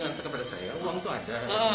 dia mengantarkan pada saya uang itu ada